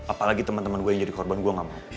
apalagi teman teman gue yang jadi korban gue gak mau